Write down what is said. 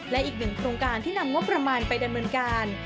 และอีกหนึ่งโครงการที่นำงบประมาณไปดำเนินการ